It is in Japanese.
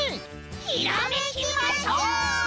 ひらめきましょう！